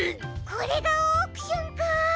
これがオークションか！